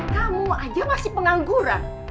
kamu aja masih pengangguran